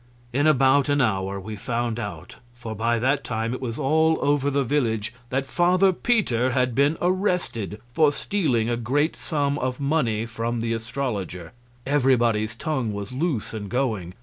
In about an hour we found out; for by that time it was all over the village that Father Peter had been arrested for stealing a great sum of money from the astrologer. Everybody's tongue was loose and going.